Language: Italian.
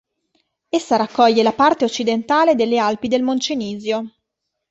Essa raccoglie la parte occidentale delle Alpi del Moncenisio.